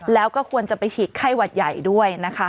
แล้วก็ควรจะไปฉีดไข้หวัดใหญ่ด้วยนะคะ